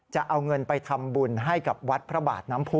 จะเอาเงินไปทำบุญให้กับวัดพระบาทน้ำโพ